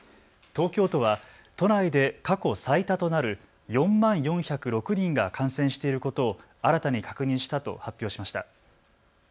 東京都は都内で過去最多となる４万４０６人が感染していることを新たに確認したと発表しました。